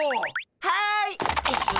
はい！